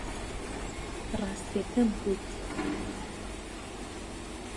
ڕاستییەکەم گوت.